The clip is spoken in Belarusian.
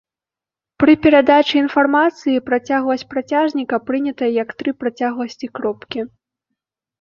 Пры перадачы інфармацыі працягласць працяжніка прынятая як тры працягласці кропкі.